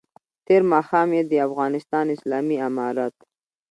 تېر ماښام یې د افغانستان اسلامي امارت